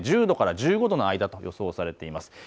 １０度から１５度の間と予想されています。